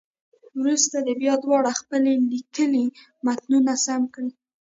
وروسته دې بیا دواړه خپل لیکلي متنونه سم کړي.